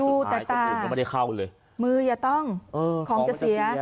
ดูแต่ตามืออย่าต้องของจะเสีย